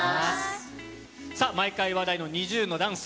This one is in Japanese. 毎回話題のＮｉｚｉＵのダンス。